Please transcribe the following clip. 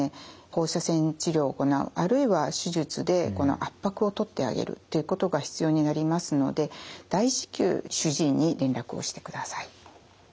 放射線治療を行うあるいは手術で圧迫をとってあげるっていうことが必要になりますので大至急主治医に連絡をしてください。